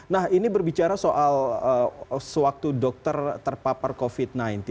nah ini berbicara soal sewaktu dokter terpapar covid sembilan belas